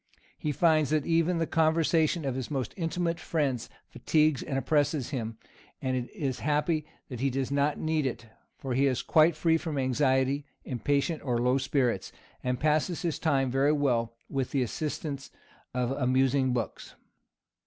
He finds that even the conversation of his most intimate friends fatigues and oppresses him; and it is happy that he does not need it, for he is quite free from anxiety, impatience, or low spirits, and passes his time very well with the assistance of amusing books."